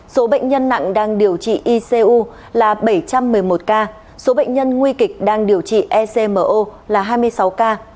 số bệnh nhân nặng đang điều trị icu là bảy trăm một mươi một ca số bệnh nhân nguy kịch đang điều trị ecmo là hai mươi sáu ca